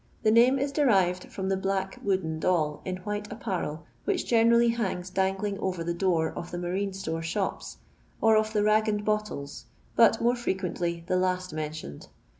The name is derived from the black wooden doll, in white apparel, which generally hangs dangling over the door of the marine store shops, or of the " rag and bottles," but more fre quently tho last mentioned.